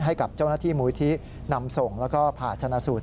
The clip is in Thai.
ให้กับเจ้าหน้าที่มูลที่นำส่งแล้วก็ผ่าชนะสูตร